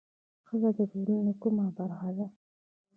ښځه د ټولنې کومه برخه ده؟